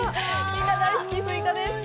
みんな大好きスイカです。